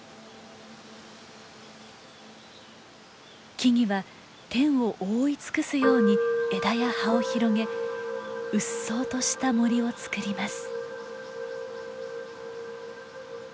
木々は天を覆い尽くすように枝や葉を広げうっそうとした森をつくります。